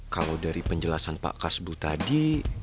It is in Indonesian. kalau dari penjelasan pak kasbu tadi